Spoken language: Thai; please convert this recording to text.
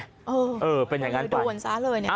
เออดูหวั่นซ้าเลยเนี่ย